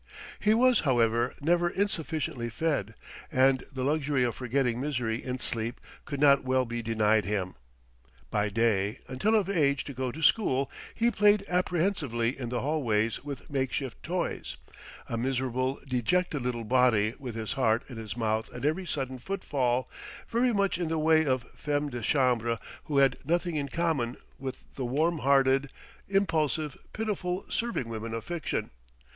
He was, however, never insufficiently fed; and the luxury of forgetting misery in sleep could not well be denied him. By day, until of age to go to school, he played apprehensively in the hallways with makeshift toys, a miserable, dejected little body with his heart in his mouth at every sudden footfall, very much in the way of femmes de chambre who had nothing in common with the warm hearted, impulsive, pitiful serving women of fiction.